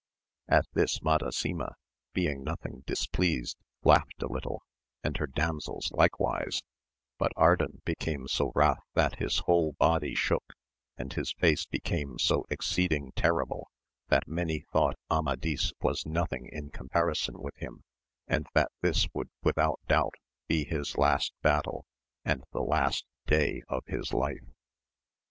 At this Madasima, being nothing displeased, laughed a little, and her damsels likewise, but Ardan became so wrath that his whole body shook, and his face became so exceeding terrible, that many thought Amadis was nothing in comparison with him, and that this would without doubt be his last battle, and the last day of his Hfe.